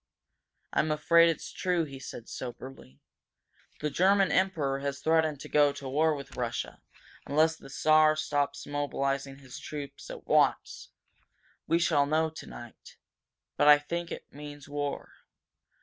"I'm afraid it's true," he said, soberly. "The German Emperor has threatened to go to war with Russia, unless the Czar stops mobilizing his troops at once. We shall know tonight. But I think it means war!